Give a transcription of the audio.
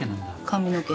髪の毛。